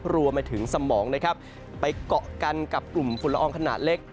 รวมไปถึงสมองนะครับไปเกาะกันกับกลุ่มฝุ่นละอองขนาดเล็ก